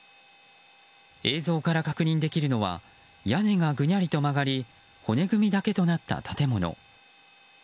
映像から確認できるのは屋根がぐにゃりと曲がり骨組みだけとなった建物。